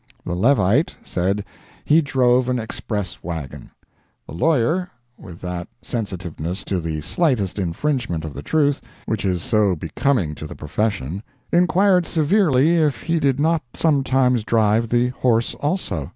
The Levite said he drove an express wagon. The lawyer—with that sensitiveness to the slightest infringement of the truth, which is so becoming to the profession—inquired severely if he did not sometimes drive the horse also!